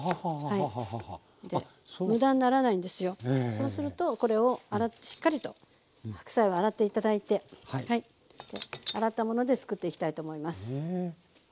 そうするとこれをしっかりと白菜を洗って頂いて洗ったものでつくっていきたいと思います。